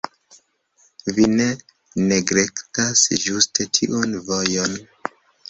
Vi neglektas ĝuste tiun vojon.